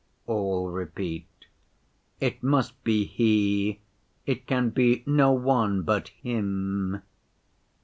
all repeat. 'It must be He, it can be no one but Him!